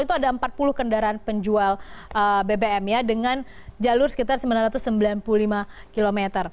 itu ada empat puluh kendaraan penjual bbm ya dengan jalur sekitar sembilan ratus sembilan puluh lima km